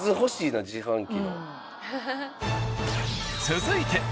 ［続いて。